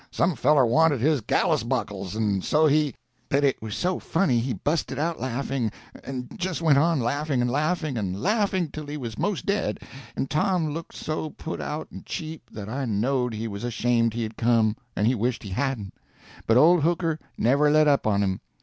Some feller wanted his gallus buckles, and so he—" But it was so funny he busted out laughing, and just went on laughing and laughing and laughing till he was 'most dead, and Tom looked so put out and cheap that I knowed he was ashamed he had come, and he wished he hadn't. But old Hooker never let up on him.